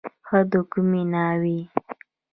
ښه د کومې ناوې.